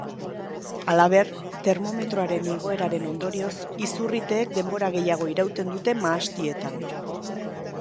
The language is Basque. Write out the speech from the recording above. Halaber, termometroaren igoeraren ondorioz, izurriteek denbora gehiago irauten dute mahastietan.